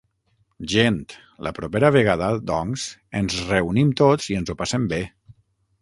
Gent, la propera vegada, doncs, ens reunim tots i ens ho passem bé.